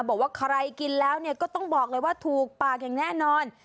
บอกว่าใครกินแล้วก็ต้องบอกเลยว่าถูกปากอย่างแน่นอน